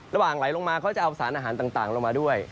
ไหลลงมาเขาจะเอาสารอาหารต่างลงมาด้วย